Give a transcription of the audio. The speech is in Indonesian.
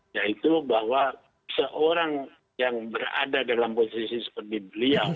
yaitu bahwa seorang yang berada dalam posisi seperti beliau